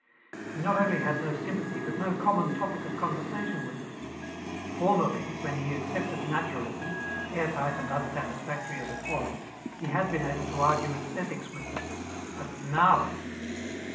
He not only had no sympathy but no common topic of conversation with them. Formerly when he accepted naturalism airtight and unsatisfactory as it was he had been able to argue esthetics with them, but now!